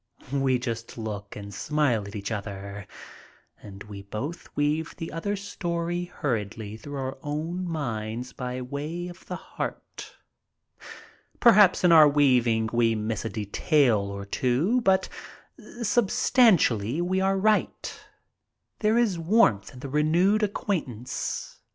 We just look and smile at each other and we both weave the other's story hurriedly through our own minds by way of the heart. Perhaps in our weaving we miss a detail or two, but substantially we are right. There is warmth in the renewed acquaintance.